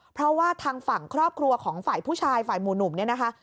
เพราะว่าทางฝั่งครอบครัวของฝ่ายผู้ชายฝ่ายหมู่หนุ่มเนี่ยนะคะ